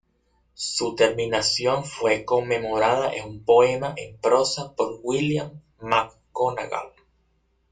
Su terminación fue conmemorada en un poema en prosa por William McGonagall.